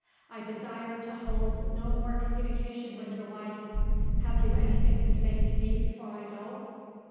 I desire to hold no more communication with your wife. Have you anything to say to me before I go?"